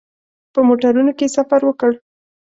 په موټرونو کې سفر وکړ.